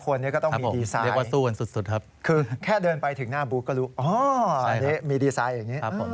ตอนนี้ก็ต้องมีดีไซน์คือแค่เดินไปถึงหน้าบูธก็รู้อ๋อมีดีไซน์อย่างนี้